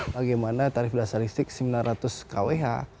bagaimana tarif dasar listrik sembilan ratus kwh